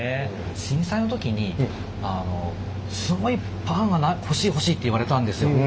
震災の時にすごいパンが欲しい欲しいって言われたんですよ。